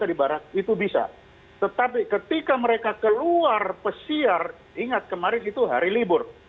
di barat itu bisa tetapi ketika mereka keluar pesiar ingat kemarin itu hari libur